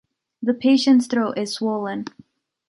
the patient’s throat is swollen.